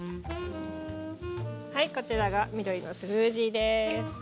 はいこちらが緑のスムージーです。